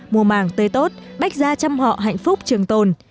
mùa màng tươi tốt bách gia chăm họ hạnh phúc trường tồn